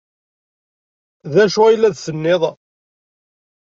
D acu ay la d-tenniḍ?